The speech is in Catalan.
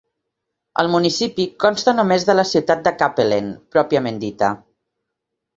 El municipi consta només de la ciutat de Kapellen pròpiament dita.